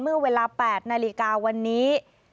เมื่อเวลา๘นาฬิกาวันนี้